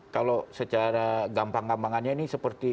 kalau secara gampang gampangannya ini seperti